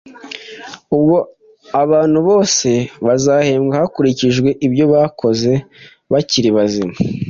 ubwo abantu bose bazahembwa hakurikijwe ibyo bakoze bakiri bazima,